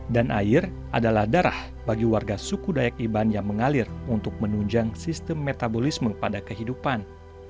dan air adalah darah bagi warga suku dayak iban yang mengalir untuk menunjang sistem metabolisme pada kehidupan